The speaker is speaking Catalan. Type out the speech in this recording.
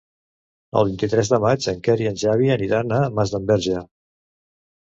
El vint-i-tres de maig en Quer i en Xavi aniran a Masdenverge.